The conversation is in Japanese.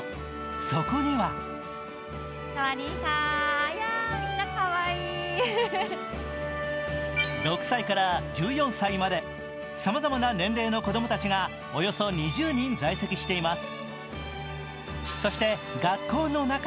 そこには６歳から１４歳までさまざまな年齢の子供たちがおよそ２０人在籍しています。